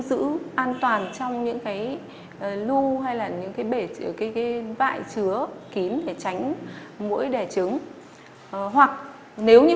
giữ an toàn trong những cái lưu hay là những cái bể cái vải chứa kín để tránh mũi đẻ trứng hoặc nếu như